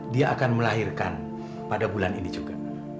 dia akan melahirkan pada bulan ini juga